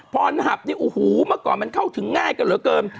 พรหับเนี่ยมะก่อมันเข้าถึงง่ายกันแล้วเกิม